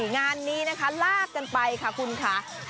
งานนี้นะคะลากกันไปค่ะคุณค่ะ